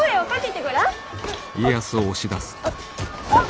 あっ！